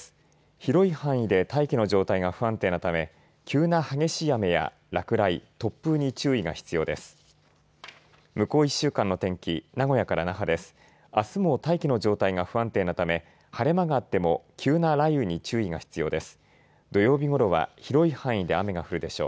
広い範囲で大気の状態が不安定なため急な激しい雨や落雷、突風に注意が必要です。